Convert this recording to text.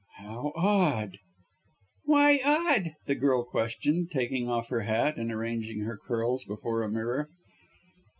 "How odd!" "Why odd?" the girl questioned, taking off her hat and arranging her curls before a mirror.